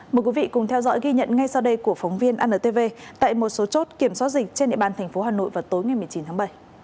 mời quý vị cùng theo dõi ghi nhận ngay sau đây của phóng viên antv tại một số chốt kiểm soát dịch trên địa bàn thành phố hà nội vào tối ngày một mươi chín tháng bảy